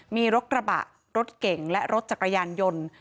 มีรถกระบะรถเก่งและรถจักรยานยนต์